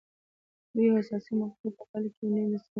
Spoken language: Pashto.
د یوې حساسې مقطعې په پایله کې یې نوی مسیر غوره کړ.